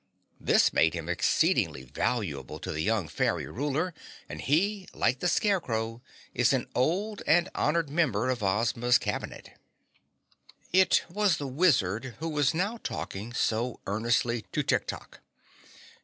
This made him exceedingly valuable to the young fairy ruler, and he, like the Scarecrow, is an old and honored member of Ozma's cabinet. It was the Wizard who was now talking so earnestly to Tik Tok.